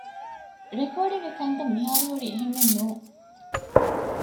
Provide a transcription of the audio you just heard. ރެކޯޑިންގގެ ކަންތައް މިހާރުހުރީ އެހެނެއްނޫން